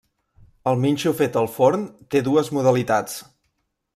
El minxo fet al forn té dues modalitats.